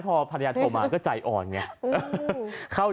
เพื่อเล่นตลกหาเงินครับ